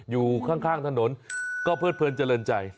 อยู่ข้างถนนก็เพิดเพลินเจริญใจ